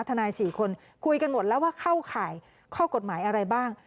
ทนาย๔คนคุยกันหมดแล้วว่าเข้าข่ายข้อกฎหมายอะไรบ้าง